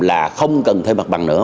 là không cần thuê mặt bằng nữa